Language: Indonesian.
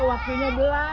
kita waktunya belakang